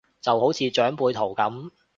就好似長輩圖咁